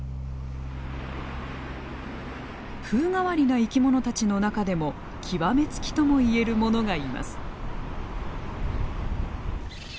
風変わりな生き物たちの中でも極め付きとも言えるものがいます。